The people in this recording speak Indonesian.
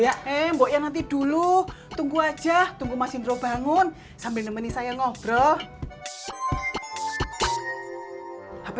ya mbok ya nanti dulu tunggu aja tunggu masih ngerobangun sambil nemenin saya ngobrol hp